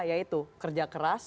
yaitu kerja keras